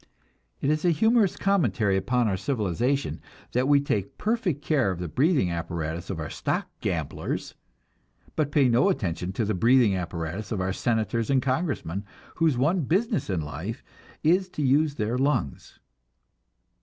It is a humorous commentary upon our civilization that we take perfect care of the breathing apparatus of our stock gamblers, but pay no attention to the breathing apparatus of our senators and congressmen, whose one business in life is to use their lungs.